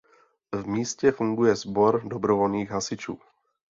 V místě funguje sbor dobrovolných hasičů.